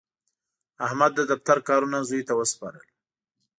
احمد د دفتر کارونه زوی ته وسپارل.